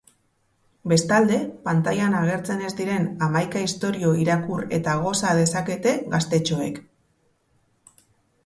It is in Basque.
Bestalde, pantailan agertzen ez diren hamaika istorio irakur eta goza dezakete gaztetxoek.